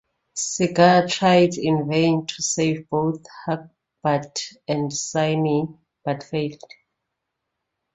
Sigar tried in vain to save both Hagbard and Signy but failed.